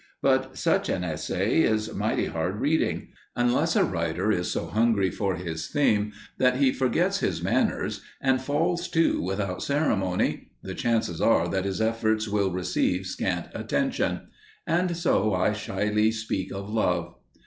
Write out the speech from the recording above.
But such an essay is mighty hard reading; unless a writer is so hungry for his theme that he forgets his manners and falls to without ceremony the chances are that his efforts will receive scant attention. And so I shyly speak of love.